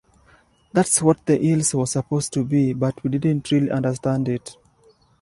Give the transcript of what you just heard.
That's what the eels was supposed to be, but we didn't really understand it.